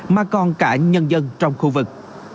mà còn cả nhân dân trong khu vực